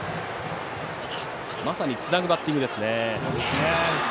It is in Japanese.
まさにつなぐバッティングです。